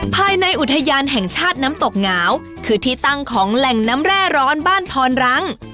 ภายในอุทยานแห่งชาติน้ำตกหงาวคือที่ตั้งของแหล่งน้ำแร่ร้อนบ้านพรรัง